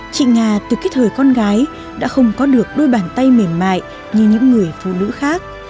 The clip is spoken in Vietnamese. chị nga từ kết thời con gái đã không có được đôi bàn tay mềm mại như những người phụ nữ khác